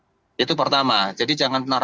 oke itu pertama jadi jangan pernah ragu